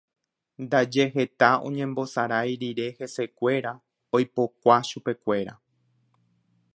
Ndaje heta oñembosarai rire hesekuéra oipokua chupekuéra.